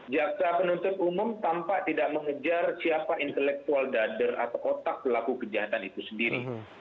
jaksa penuntut umum tampak tidak mengejar siapa intelektual dader atau otak pelaku kejahatan itu sendiri